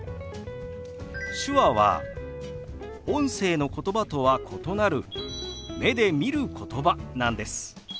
手話は音声のことばとは異なる目で見ることばなんです。